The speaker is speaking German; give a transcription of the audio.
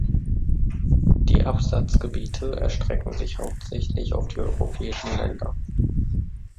Die Absatzgebiete erstrecken sich hauptsächlich auf die europäischen Länder.